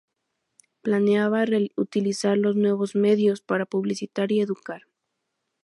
Planeaba utilizar los "nuevos medios" para publicitar y educar.